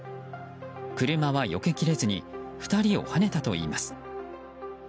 車はよけきれずに２人をはねたといいます。